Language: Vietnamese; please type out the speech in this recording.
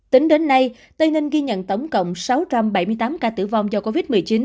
tính đến nay tây ninh ghi nhận tổng cộng sáu trăm bảy mươi tám ca tử vong do covid một mươi chín